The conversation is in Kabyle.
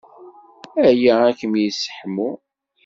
Aya ad kem-yesseḥmu.